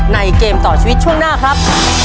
เกมต่อชีวิตช่วงหน้าครับ